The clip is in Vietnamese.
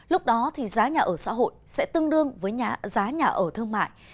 lúc đó thì giá nhà ở xã hội sẽ tương đương với giá nhà ở thương mại